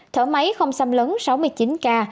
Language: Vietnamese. thở máy không xăm lấn sáu mươi chín ca